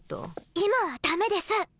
今はダメです！